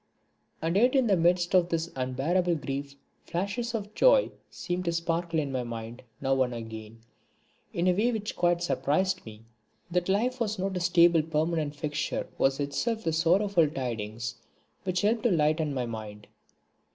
And yet in the midst of this unbearable grief, flashes of joy seemed to sparkle in my mind, now and again, in a way which quite surprised me. That life was not a stable permanent fixture was itself the sorrowful tidings which helped to lighten my mind.